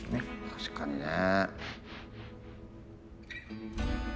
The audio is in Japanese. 確かにね。